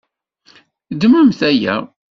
Ddmemt aya.